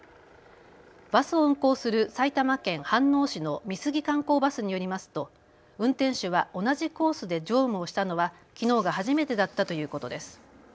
バスを運行する埼玉県飯能市の美杉観光バスによりますと運転手は同じコースで乗務をしたのは、きのうが初めてだったということです。